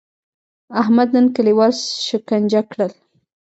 احمد نن کلیوال سکنجه کړل.